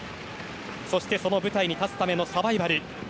そして、その舞台に立つためのサバイバル。